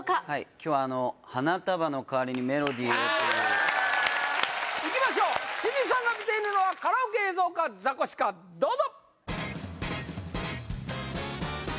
今日は「花束のかわりにメロディーを」といういきましょう清水さんが見ているのはカラオケ映像かザコシかどうぞ！